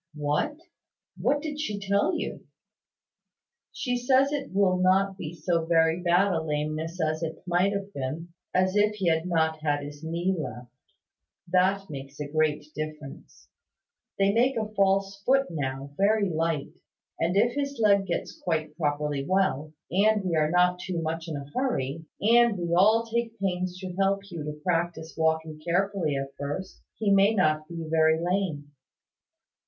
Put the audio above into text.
"What? What did she tell you?" "She says it will not be so very bad a lameness as it might have been as if he had not had his knee left. That makes a great difference. They make a false foot now, very light; and if his leg gets quite properly well, and we are not too much in a hurry, and we all take pains to help Hugh to practise walking carefully at first, he may not be very lame."